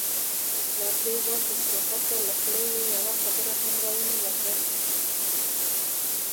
لړزې واخستو حتا له خولې يې يوه خبره هم را ونوته.